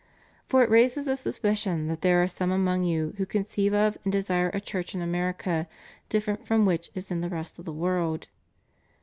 For it raises the suspicion that there are some among you who conceive of and desire a church in America different from that which is in the rest of the world.